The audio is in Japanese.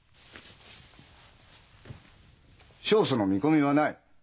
勝訴の見込みはない。